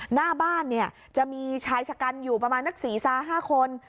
หน้าบ้านจะมีชายชะกันอยู่ประมาณนักศรีสาห์๕คน